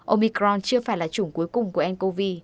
omicron chưa phải là chủng cuối cùng của ncov